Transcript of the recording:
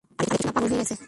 আরে কিছু না পাগল হয়ে গেছে।